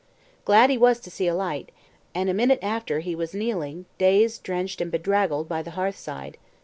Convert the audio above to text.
Glad he was to see a light, and a minute after he was kneeling, dazed, drenched, and bedraggled by the hearth side.